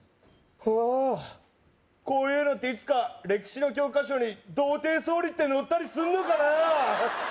あこういうのっていつか歴史の教科書に童貞総理って載ったりすんのかな？